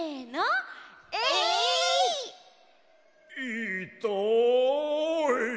・いたい！